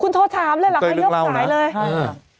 คุณโทรถามเลยหรือเปล่าเขาเลี่ยวสายเลย